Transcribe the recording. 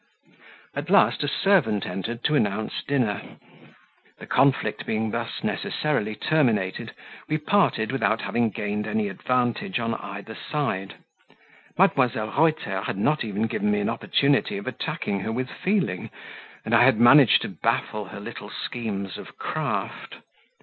At last a servant entered to announce dinner; the conflict being thus necessarily terminated, we parted without having gained any advantage on either side: Mdlle. Reuter had not even given me an opportunity of attacking her with feeling, and I had managed to baffle her little schemes of craft.